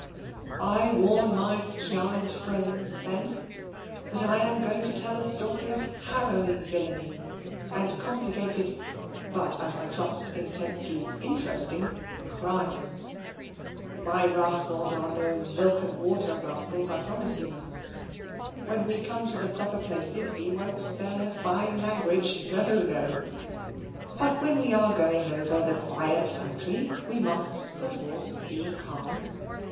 I warn my "kyind friends," then, that I am going to tell a story of harrowing villainy and complicated but, as I trust, intensely interesting crime. My rascals are no milk and water rascals, I promise you. When we come to the proper places we won't spare fine language No, no! But when we are going over the quiet country we must perforce be calm.